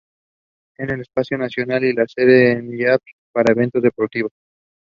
Following this action he returned home to recover.